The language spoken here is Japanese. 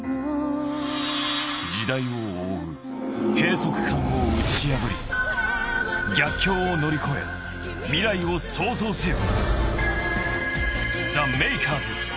時代を覆う閉塞感を打ち破り逆境を乗り越え未来を創造せよ！